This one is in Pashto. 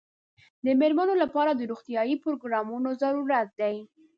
د مېرمنو لپاره د روغتیايي پروګرامونو ضرورت دی.